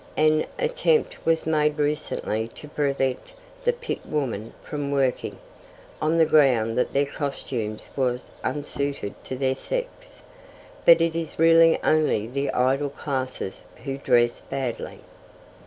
An attempt was made recently to prevent the pit women from working, on the ground that their costume was unsuited to their sex, but it is really only the idle classes who dress badly.